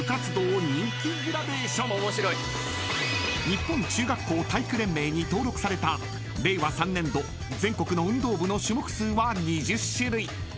［日本中学校体育連盟に登録された令和３年度全国の運動部の種目数は２０種類］